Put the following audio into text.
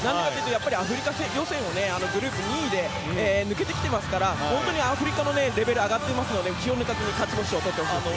アフリカ予選をグループ２位で抜けてきていますから本当にアフリカのレベルも上がっているので、気を抜かずに勝ち星を取ってほしいです。